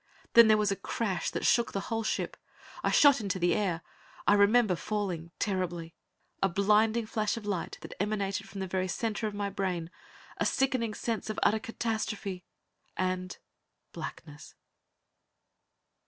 Then there was a crash that shook the whole ship. I shot into the air. I remember falling ... terribly. A blinding flash of light that emanated from the very center of my brain, a sickening sense of utter catastrophe, and ... blackness.